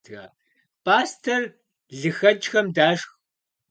Пӏастэр лыхэкӏхэм дашх.